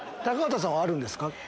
高畑さんはあるんですか？